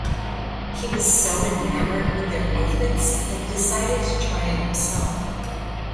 He was so enamored with their movements that he decided to try it himself.